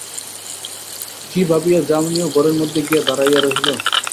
কী ভাবিয়া যামিনীও ঘরের মধ্যে গিয়া দাড়াইয়া রহিল।